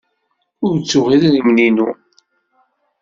Ur ttuɣ idrimen-inu.